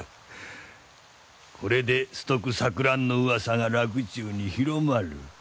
これで崇徳錯乱のうわさが洛中に広まる。